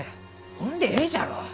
ほんでえいじゃろう！